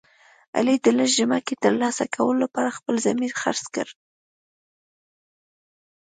علي د لږ ځمکې تر لاسه کولو لپاره خپل ضمیر خرڅ کړ.